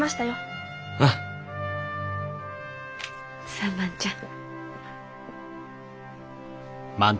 さあ万ちゃん。